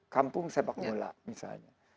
kampung sepak bola misalnya